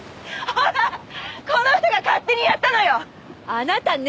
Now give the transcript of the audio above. あなたね！